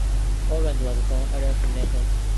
Owens was born L. F. Nelson.